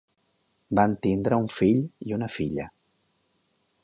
Van tindre un fill i una filla.